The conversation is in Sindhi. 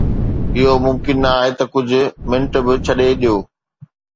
اهو ممڪن نه آهي ته ڪجهه منٽ به ڇڏي ڏيو.